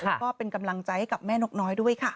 แล้วก็เป็นกำลังใจให้กับแม่นกน้อยด้วยค่ะ